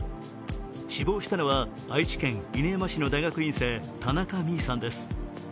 死亡したのは愛知県犬山市の大学院生、田中美衣さんです。